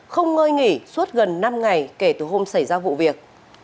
không ngơi nghỉ suốt gần năm ngày kể từ hôm xảy ra vụ việc